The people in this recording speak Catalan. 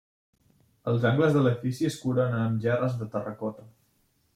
Els angles de l'edifici es coronen amb gerres de terracota.